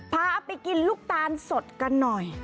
พาไปกินลูกตาลสดกันหน่อย